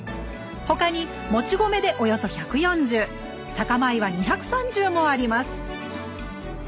他にもち米でおよそ１４０酒米は２３０もあります。